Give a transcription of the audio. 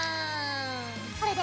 これで。